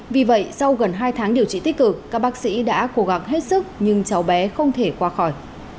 vì vậy sau gần hai tháng điều trị tích cực các bác sĩ đã cố gắng hết sức nhưng cháu bé không thể qua khỏi